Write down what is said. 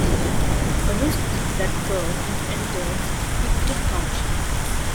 Amidst that curve, it enters Biglick Township.